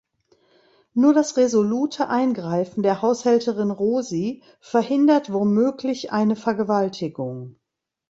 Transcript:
Nur das resolute eingreifen der Haushälterin Rosi verhindert womöglich eine Vergewaltigung.